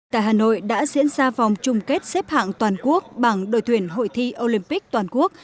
tại hà nội đã diễn ra vòng chung kết xếp hạng toàn quốc bằng đội tuyển hội thi olympic toàn quốc